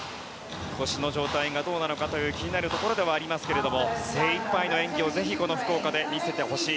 腰の状態がどうなのかと気になるところではありますが精一杯の演技をぜひ、この福岡で見せてほしい。